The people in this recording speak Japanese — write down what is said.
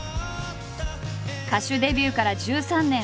歌手デビューから１３年。